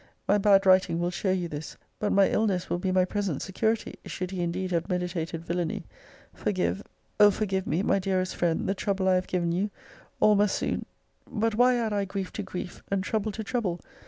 My bad writing will show you this. But my illness will be my present security, should he indeed have meditated villany. Forgive, O forgive me, my dearest friend, the trouble I have given you! All must soon But why add I grief to grief, and trouble to trouble?